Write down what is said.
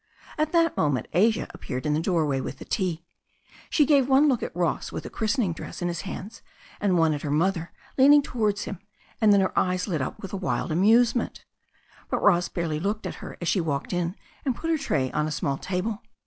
At that moment Asia appeared in the doorway with the tea. She gave one look at Ross with the christening dress in his hands, and one at her mother leaning towards him, and then her eyes lit up with a wild amusement. But Ross barely looked at her as she walked in and put her tray on a small table.